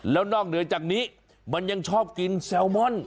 แล้วนอกเหนือจากนี้มันยังชอบกินแซลมอน